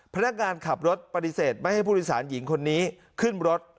พนักงานขับรถปฏิเสธไม่ให้ผู้โดยสารหญิงคนนี้ขึ้นรถ